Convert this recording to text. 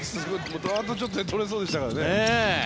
あとちょっとでとれそうでしたからね。